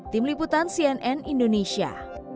tim liputan cnn indonesia